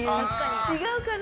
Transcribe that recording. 違うかな？